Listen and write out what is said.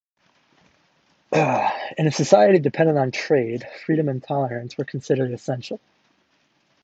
In a society dependent on trade, freedom and tolerance were considered essential.